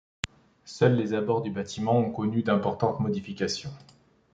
Seuls les abords du bâtiment ont connu d'importantes modifications.